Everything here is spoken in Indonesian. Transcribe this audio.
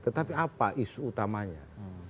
tetapi apa isu utamanya